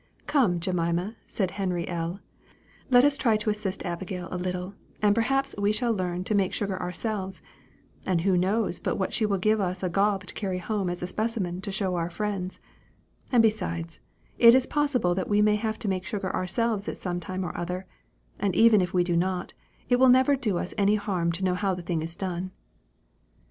"Come, Jemima," said Henry L., "let us try to assist Abigail a little, and perhaps we shall learn to make sugar ourselves; and who knows but what she will give us a 'gob' to carry home as a specimen to show our friends; and besides, it is possible that we may have to make sugar ourselves at some time or other; and even if we do not, it will never do us any harm to know how the thing is done."